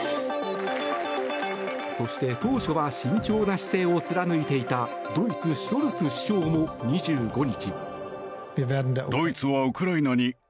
そして、当初は慎重な姿勢を貫いていたドイツ、ショルツ首相も２５日。